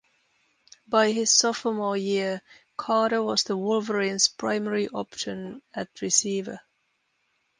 By his sophomore year, Carter was the Wolverines primary option at receiver.